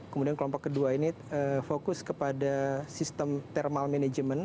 kemudian kelompok kedua ini fokus kepada sistem thermal management